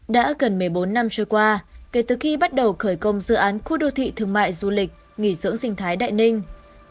đã gần một mươi bốn năm trôi qua kể từ khi bắt đầu khởi công dự án khu đô thị thương mại du lịch nghỉ dưỡng sinh thái đại ninh